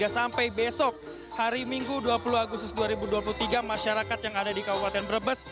sampai besok hari minggu dua puluh agustus dua ribu dua puluh tiga masyarakat yang ada di kabupaten brebes